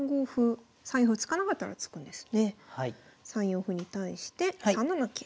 ３四歩に対して３七桂。